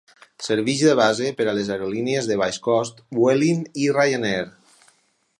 Serveix de base per a les aerolínies de baix cost Vueling i Ryanair.